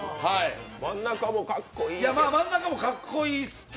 真ん中もかっこいいですよね。